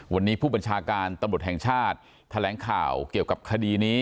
วันนี้ผู้บัญชาการตำรวจแห่งชาติแถลงข่าวเกี่ยวกับคดีนี้